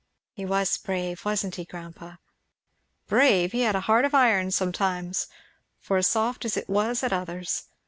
"He was brave, wasn't he, grandpa?" "Brave! he had a heart of iron sometimes, for as soft as it was at others.